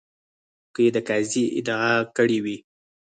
که یې د قاضي ادعا کړې وي.